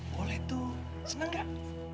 boleh tuh seneng gak